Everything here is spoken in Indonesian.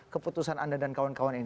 keputusan anda dan kawan kawan ini